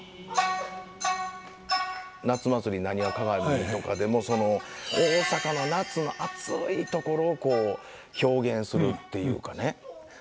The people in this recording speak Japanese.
「夏祭浪花鑑」とかでもその大阪の夏の暑いところをこう表現するっていうかね。